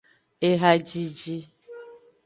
Ehajiji.